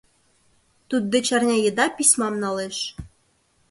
Туддеч арня еда письмам налеш.